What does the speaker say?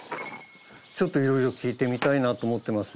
ちょっといろいろ聞いてみたいなと思ってます。